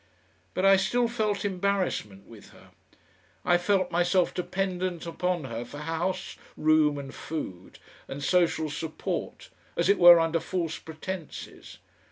But I still felt embarrassment with her. I felt myself dependent upon her for house room and food and social support, as it were under false pretences.